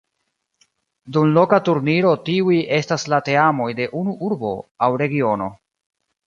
Dum loka turniro tiuj estas la teamoj de unu urbo aŭ regiono.